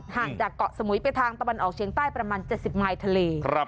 ห่างจากเกาะสมุยไปทางตะวันออกเชียงใต้ประมาณ๗๐มายทะเล